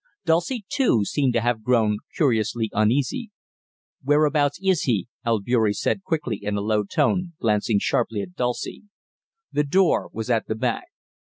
Dulcie, too, seemed to have grown curiously uneasy. "Whereabouts is he?" Albeury said quickly in a low tone, glancing sharply at Dulcie. The door was at the back.